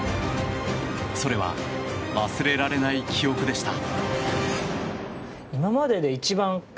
それは忘れられない記憶でした。